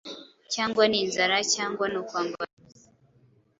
cyangwa ni inzara, cyangwa ni ukwambara ubusa,